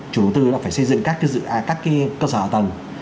chủ đầu tư là phải xây dựng các cái cơ sở hạ tầng